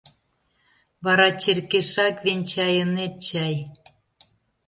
— Вара черкешак венчайынет чай?